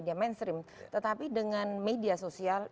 ini preceding udah